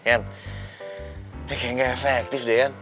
an ini kayak nggak efektif deh an